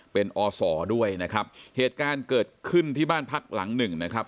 เป็นอศด้วยนะครับเหตุการณ์เกิดขึ้นที่บ้านพักหลังหนึ่งนะครับ